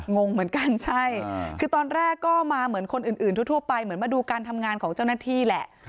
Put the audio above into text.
งงเหมือนกันใช่คือตอนแรกก็มาเหมือนคนอื่นทั่วไปเหมือนมาดูการทำงานของเจ้าหน้าที่แหละ